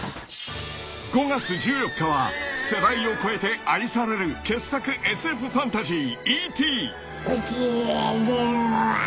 ［５月１４日は世代を超えて愛される傑作ＳＦファンタジー］